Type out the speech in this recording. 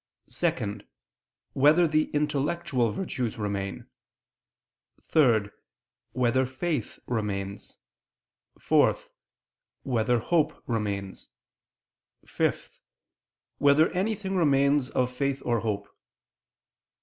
(2) Whether the intellectual virtues remain? (3) Whether faith remains? (4) Whether hope remains? (5) Whether anything remains of faith or hope?